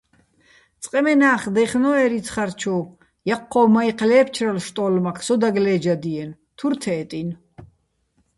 წყე მენა́ხ დაჲხნო́ერ იცხარჩუ, ჲაჴჴო́ჼ მაიჴი̆ ლე́ფჩრალო̆ შტო́ლმაქ, სოდა გლე́ჯადჲიენო̆, თურ თე́ტინო̆!